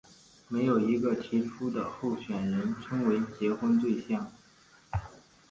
没有一个提出的候选人称为结婚对象。